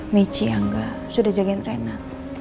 michi angga sudah jagain rena